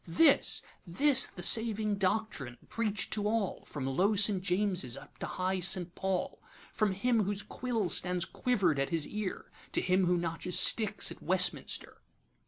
'This, this the saving doctrine preach'd to all, From low St. James's up to high St. Paul; From him whose quills stand quiver'd at his ear, To him who notches sticks at Westminster.